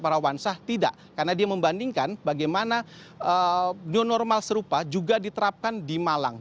parawansa tidak karena dia membandingkan bagaimana new normal serupa juga diterapkan di malang